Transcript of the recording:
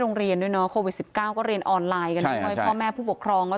โรงเรียนด้วยเนาะโควิด๑๙ก็เรียนออนไลน์พ่อแม่ผู้ปกครองก็